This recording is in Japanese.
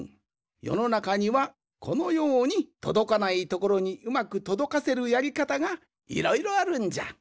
よのなかにはこのようにとどかないところにうまくとどかせるやりかたがいろいろあるんじゃ。